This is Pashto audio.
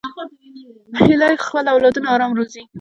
هیلۍ خپل اولادونه آرام روزي